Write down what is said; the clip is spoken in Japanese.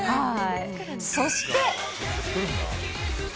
そして。